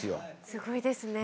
すごいですね。